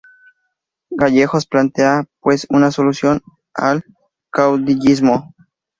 Gallegos plantea, pues, una solución al caudillismo.